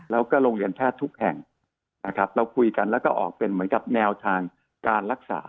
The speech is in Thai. แล้วก็โรงเรียนแพทย์ทุกแห่งนะครับเราคุยกันแล้วก็ออกเป็นเหมือนกับแนวทางการรักษา